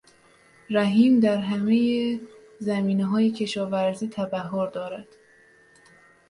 رحیم در همهی زمینههای کشاورزی تبحر دارد.